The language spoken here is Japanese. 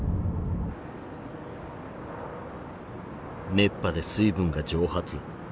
熱波で水分が蒸発。